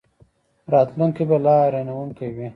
راتلونکی به لا حیرانوونکی وي.